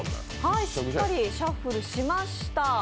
しっかりシャッフルしました。